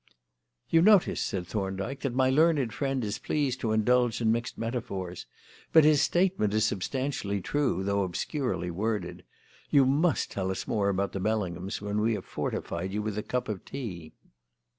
"You notice," said Thorndyke, "that my learned friend is pleased to indulge in mixed metaphors. But his statement is substantially true, though obscurely worded. You must tell us more about the Bellinghams when we have fortified you with a cup of tea."